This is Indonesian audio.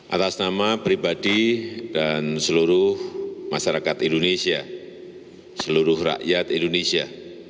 atas nama pribadi dan seluruh masyarakat indonesia seluruh rakyat indonesia